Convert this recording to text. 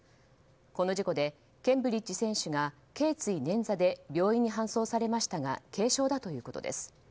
この事故でケンブリッジ選手が頸椎捻挫で病院に搬送されましたが軽傷だということです。